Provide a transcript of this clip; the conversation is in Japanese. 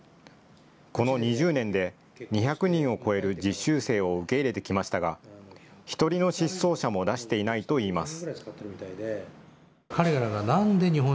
この２０年で２００人を超える実習生を受け入れてきましたが１人の失踪者も出していないといいます。